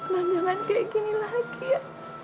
non jangan kayak gini lagi ya